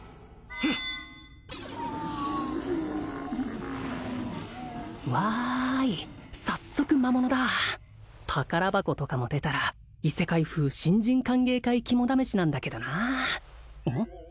フンわい早速魔物だ宝箱とかも出たら異世界風新人歓迎会肝試しなんだけどなうん？